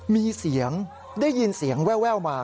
มีเสียงได้ยินเสียงแววมา